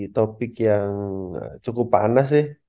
topik yang cukup panas sih